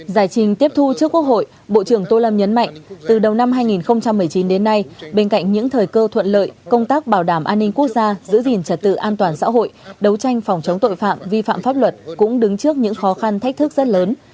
giải trình tiếp thu trước quốc hội bộ trưởng tô lâm nhấn mạnh từ đầu năm hai nghìn một mươi chín đến nay bên cạnh những thời cơ thuận lợi công tác bảo đảm an ninh quốc gia giữ gìn trật tự an toàn xã hội đấu tranh phòng chống tội phạm vi phạm pháp luật cũng đứng trước những khó khăn thách thức rất lớn